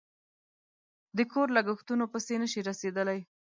د کور لگښتونو پسې نشي رسېدلی